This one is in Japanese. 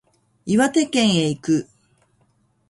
岩手県へ行く